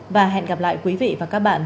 và hẹn gặp lại quý vị và các bạn